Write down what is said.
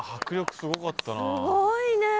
すごいねえ。